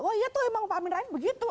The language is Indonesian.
wah iya tuh memang pak amin rais begitu